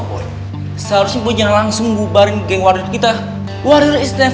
kayaknya yang paling menyesdp